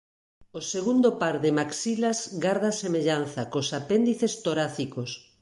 O segundo par de maxilas garda semellanza cos apéndices torácicos.